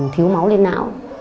thiếu máu lên não